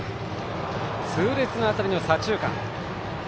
痛烈な当たりを左中間。